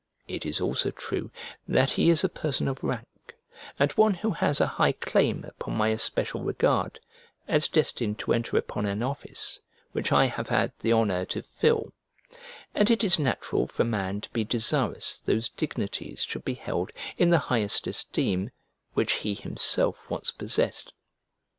It is also true that he is a person of rank, and one who has a high claim upon my especial regard, as destined to enter upon an office which I have had the honour to fill; and it is natural for a man to be desirous those dignities should be held in the highest esteem which he himself once possessed.